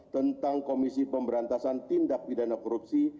tentang komisi pemberantasan tindak pidana korupsi